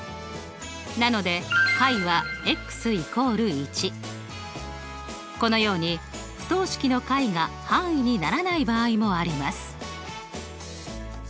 なので解はこのように不等式の解が範囲にならない場合もあります。